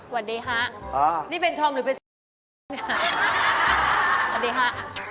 วันนี้ค่ะนี่เป็นธอมหรือเป็นแต่งค่ะวันนี้ค่ะ